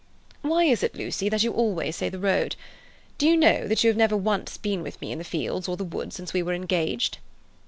"Why is it, Lucy, that you always say the road? Do you know that you have never once been with me in the fields or the wood since we were engaged?"